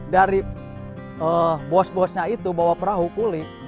dari bos bosnya itu bawa perahu kulit